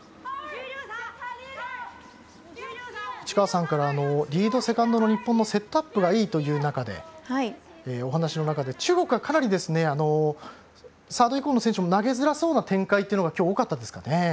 市川さんからリード、セカンドの日本のセットアップがいいというお話の中で中国はかなりサード以降の選手も投げづらそうな展開が今日、多かったですね。